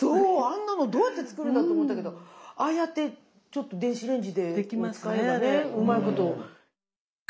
あんなのどうやって作るんだ？と思ったけどああやってちょっと電子レンジを使えばねうまいこと。